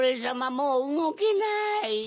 もううごけない。